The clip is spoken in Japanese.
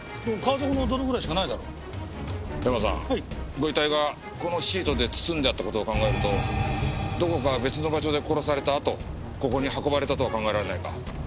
ご遺体がこのシートで包んであった事を考えるとどこか別の場所で殺されたあとここに運ばれたとは考えられないか？